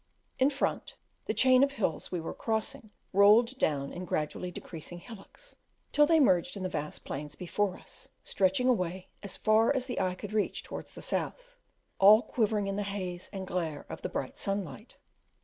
In front, the chain of hills we were crossing rolled down in gradually decreasing hillocks, till they merged in the vast plains before us, stretching away as far as the eye could reach towards the south, all quivering in the haze and glare of the bright sunlight.